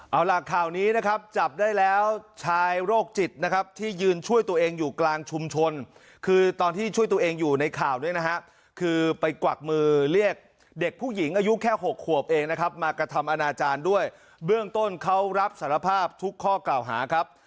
เอาล่ะข่าวนี้นะครับจับได้แล้วชายโรคจิตนะครับที่ยืนช่วยตัวเองอยู่กลางชุมชนคือตอนที่ช่วยตัวเองอยู่ในข่าวเนี่ยนะฮะคือไปกวักมือเรียกเด็กผู้หญิงอายุแค่๖ขวบเองนะครับมากระทำอนาจารย์ด้วยเบื้องต้นเขารับสารภาพทุกข้อกล่าวหาครับ